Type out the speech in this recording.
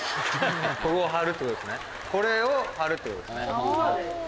ここ張るってことですね。